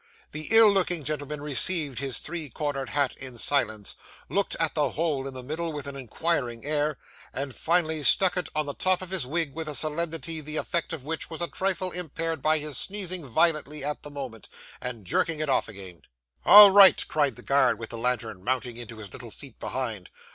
'The ill looking gentleman received his three cornered hat in silence, looked at the hole in the middle with an inquiring air, and finally stuck it on the top of his wig with a solemnity the effect of which was a trifle impaired by his sneezing violently at the moment, and jerking it off again. '"All right!" cried the guard with the lantern, mounting into his little seat behind.